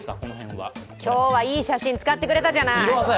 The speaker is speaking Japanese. はい、今日はいい写真使ってくれたじゃない！